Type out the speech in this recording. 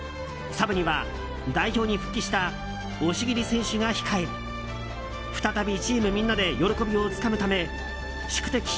サブには代表に復帰した押切選手が控え再びチームみんなで喜びをつかむため宿敵